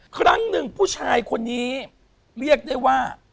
ครั้งหนึ่งผู้ชายคนนี้เรียกได้ว่า